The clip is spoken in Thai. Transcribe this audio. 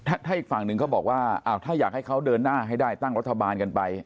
ถ้าอีกฝั่งหนึ่งเขาบอกว่าอ้าวถ้าอยากให้เขาเดินหน้าให้ได้ตั้งรัฐบาลกันไป